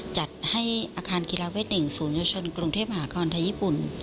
จัดให้อาคารกีฬาเวท๑ศูนยชนกรุงเทพมหาคอนไทยญี่ปุ่น